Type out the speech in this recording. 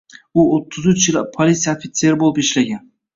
U o'ttiz uch yil politsiya ofitseri boʻlib ishlagan.